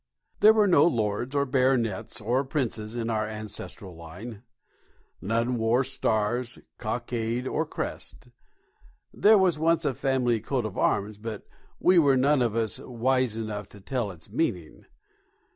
There were no lords or baronets or princes in our ancestral line. None wore stars, cockade, or crest. There was once a family coat of arms, but we were none of us wise enough to tell its meaning.